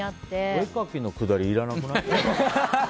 お絵描きのくだりいらなくない？